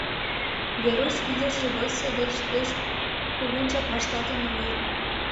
Веруш ӱдыржӧ годсо деч пеш кугунжак вашталтын огыл.